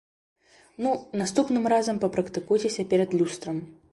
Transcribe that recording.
Ну, наступным разам папрактыкуйцеся перад люстрам.